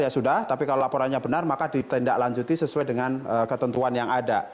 ya sudah tapi kalau laporannya benar maka ditindaklanjuti sesuai dengan ketentuan yang ada